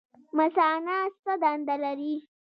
مثانه څه دنده لري؟